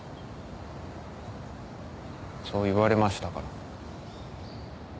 そう言われましたから。